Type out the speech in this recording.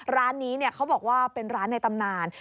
ร้านนี้เขาบอกว่าเป็นร้านในตำนาน